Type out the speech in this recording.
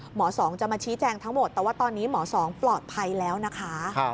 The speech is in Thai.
สองจะมาชี้แจงทั้งหมดแต่ว่าตอนนี้หมอสองปลอดภัยแล้วนะคะ